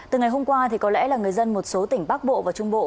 từ ngày hôm qua thì có lẽ là người dân một số tỉnh bắc bộ và trung bộ